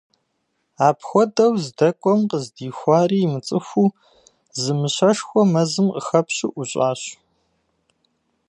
Апхуэдэу здэкӏуэм къыздихуари имыцӏыхуу, зы мыщэшхуэ мэзым къыхэпщу ӏущӏащ.